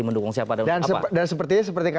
mendukung siapa dan apa dan seperti